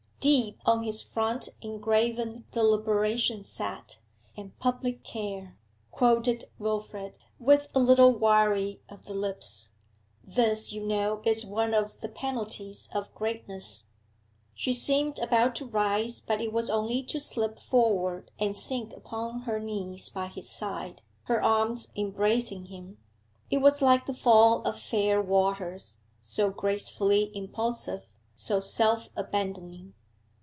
'Deep on his front engraven Deliberation sat, and public care ' quoted Wilfrid, with a little wrying of the lips. 'This, you know, is one of the penalties of greatness.' She seemed about to rise, but it was only to slip forward and sink upon her knees by his side, her arms embracing him. It was like the fall of fair waters, so gracefully impulsive, so self abandoning.